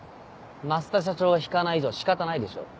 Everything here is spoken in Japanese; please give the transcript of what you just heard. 増田社長が引かない以上仕方ないでしょう。